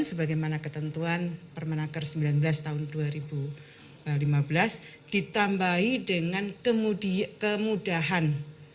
sebagaimana ketentuan permenaker sembilan belas tahun dua ribu lima belas ditambahi dengan kemudahan